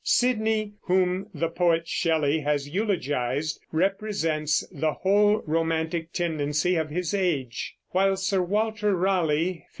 Sidney, whom the poet Shelley has eulogized, represents the whole romantic tendency of his age; while Sir Walter Raleigh (1552?